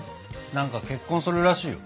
何か結婚するらしいよ。